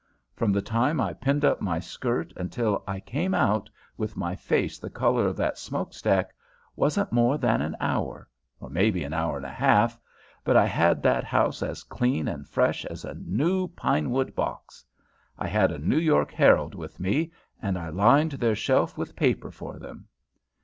From the time I pinned up my skirt until I came out, with my face the colour of that smoke stack, wasn't more than an hour, or maybe an hour and a half, but I had that house as clean and fresh as a new pine wood box. I had a New York Herald with me, and I lined their shelf with paper for them.